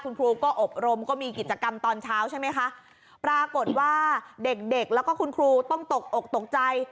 คุณครูก็อบรมก็มีกิจกรรมตอนเช้าใช่ไหมคะปรากฏว่าเด็กเด็กแล้วก็คุณครูต้องตกอกตกใจ